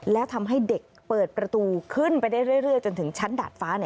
แล้วทำให้เด็กเปิดประตูขึ้นไปได้เรื่อยจนถึงชั้นดาดฟ้า